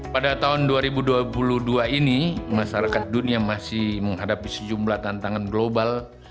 pada tahun dua ribu dua puluh dua ini masyarakat dunia masih menghadapi sejumlah tantangan global